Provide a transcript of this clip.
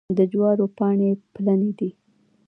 د جوارو پاڼې پلنې دي.